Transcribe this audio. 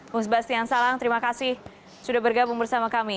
bung sebastian salang terima kasih sudah bergabung bersama kami